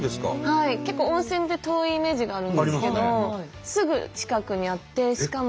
結構温泉って遠いイメージがあるんですけどすぐ近くにあってしかも。